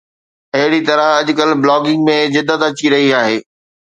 اهڙي طرح اڄڪلهه بلاگنگ ۾ جدت اچي رهي آهي